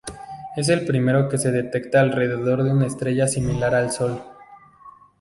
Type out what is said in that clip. Es el primero que se detecta alrededor de una estrella similar al Sol.